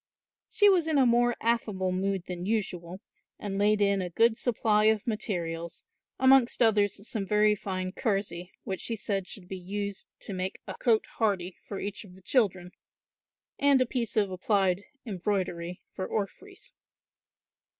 She was in a more affable mood than usual and laid in a good supply of materials, amongst others some very fine kersey, which she said should be used to make a cote hardie for each of the children, and a piece of applied embroidery for orphreys.